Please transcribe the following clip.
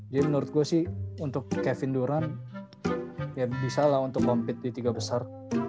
jadi menurut gue sih untuk kevin durant ya bisa lah untuk compete di tiga besar